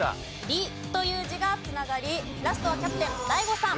「理」という字が繋がりラストはキャプテンＤＡＩＧＯさん。